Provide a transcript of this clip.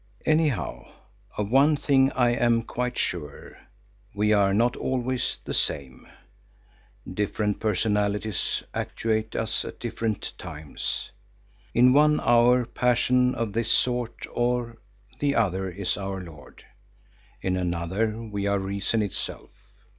Anyhow of one thing I am quite sure, we are not always the same. Different personalities actuate us at different times. In one hour passion of this sort or the other is our lord; in another we are reason itself.